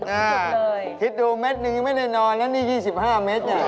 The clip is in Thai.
อ่าคิดดูเมตรหนึ่งยังไม่ได้นอนแล้วนี่๒๕เมตรน่ะโอ้โฮ